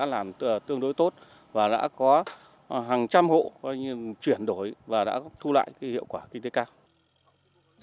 làm tương đối tốt và đã có hàng trăm hộ chuyển đổi và đã thu lại hiệu quả kinh tế cao